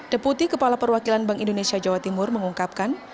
deputi kepala perwakilan bank indonesia jawa timur mengungkapkan